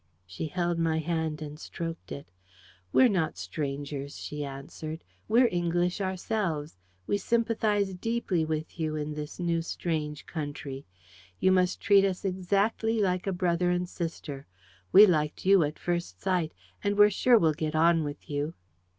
She held my hand and stroked it. "We're not strangers," she answered. "We're English ourselves. We sympathise deeply with you in this new, strange country. You must treat us exactly like a brother and sister. We liked you at first sight, and we're sure we'll get on with you."